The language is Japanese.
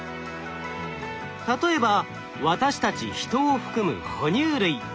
例えば私たちヒトを含むほ乳類。